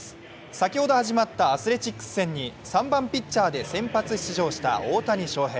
先ほど始まったアスレチックス戦に３番ピッチャーで先発出場した大谷翔平。